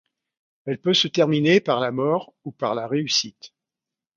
Elle peut se terminer par la mort ou par la réussite.